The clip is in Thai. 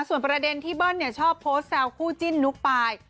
ส่วนประเด็นที่เบิ้ลชอบโพสต์แซวคู่จิ้นนุ๊กปาย